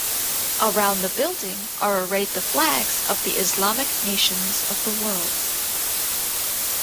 Around the building are arrayed the flags of the Islamic nations of the world.